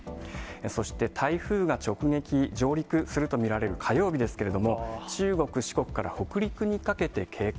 そして、台風が直撃、上陸すると見られる火曜日ですけれども、中国、四国から北陸にかけて警戒。